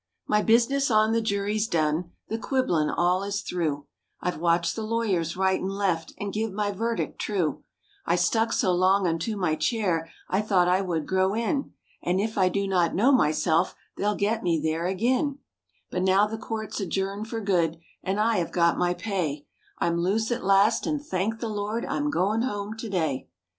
My business on the jury's done the quibblin' all is through I've watched the lawyers right and left, and give my verdict true; I stuck so long unto my chair, I thought I would grow in; And if I do not know myself, they'll get me there ag'in; But now the court's adjourned for good, and I have got my pay; I'm loose at last, and thank the Lord, I'm going home to day.